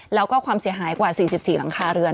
แล้วก็ความเสียหายกว่า๔๔หลังคาเรือน